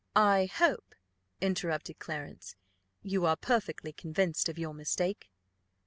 "I hope," interrupted Clarence, "you are perfectly convinced of your mistake."